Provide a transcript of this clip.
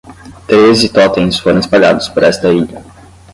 Treze totens foram espalhados por esta ilha.